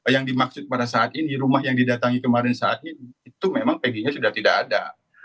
yang dimaksud pada saat ini rumah yang didatangi kemarin saat ini itu memang pg nya sudah tidak ada